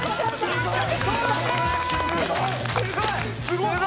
すごい！